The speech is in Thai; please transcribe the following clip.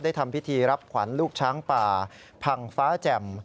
ทำพิธีรับขวัญลูกช้างป่าพังฟ้าแจ่ม